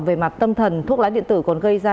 về mặt tâm thần thuốc lá điện tử còn gây ra